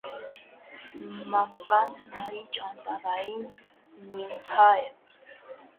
Մավկան հմայիչ անտառային նիմփա է։